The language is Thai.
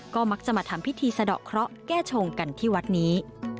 ก็มักจะมาทำพิธีสะดอกเคราะห์แก้ชงกันที่วัดนี้